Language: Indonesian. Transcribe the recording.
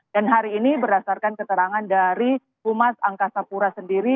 dan hari ini berdasarkan keterangan dari pumas angkasa pura sendiri